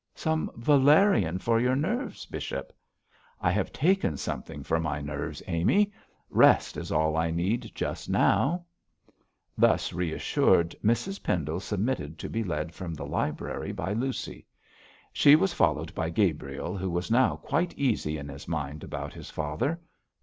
'Some valerian for your nerves, bishop ' 'I have taken something for my nerves, Amy. Rest is all I need just now.' Thus reassured, Mrs Pendle submitted to be led from the library by Lucy. She was followed by Gabriel, who was now quite easy in his mind about his father.